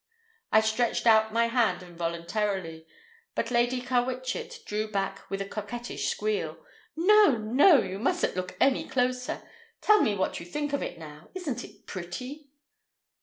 I stretched out my hand involuntarily, but Lady Carwitchet drew back with a coquettish squeal. "No! no! You mustn't look any closer. Tell me what you think of it now. Isn't it pretty?"